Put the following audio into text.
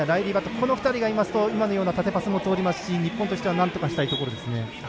この２人がいますと縦パスも通りますし日本としてはなんとかしたいところですね。